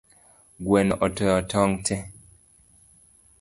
Gweno otoyo tong’ tee